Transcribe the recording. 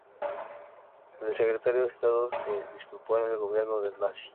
El Secretario de Estado Hull se disculpó con el gobierno nazi.